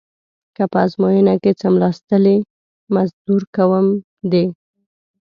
که په ازموینه کې څملاستلې مزدور کوم دې.